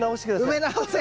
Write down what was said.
埋め直せ！